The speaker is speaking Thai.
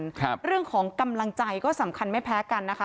ครับเรื่องของกำลังใจก็สำคัญไม่แพ้กันนะคะ